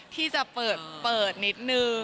ที่จะเปิดนิดนึง